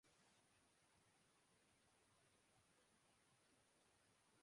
یوں ہم پکے مسلمان ہوگئے بلکہ کچھ کچھ حافظ جی بھی کہ کچھ آیات زبانی یاد تھیں اور کئی کے ترجمے بھی